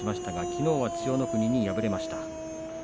きのうは千代の国に敗れました。